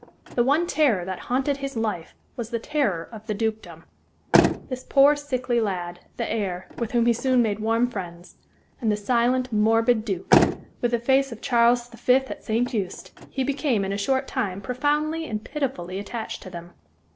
The one terror that haunted his life was the terror of the dukedom. This poor, sickly lad, the heir, with whom he soon made warm friends, and the silent, morbid Duke, with the face of Charles V. at St. Just he became, in a short time, profoundly and pitifully attached to them.